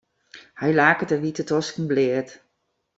Hy laket de wite tosken bleat.